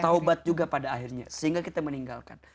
taubat juga pada akhirnya sehingga kita meninggalkan